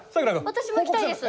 私も行きたいです！